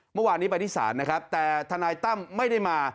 เมื่อวานนี้ไปที่ศาลนะครับแต่ทนายตั้มไม่ได้มา